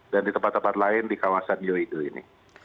dan di tempat tempat lain di kawasan yewido ini